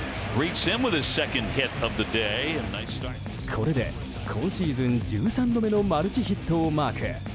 これで今シーズン１３度目のマルチヒットをマーク。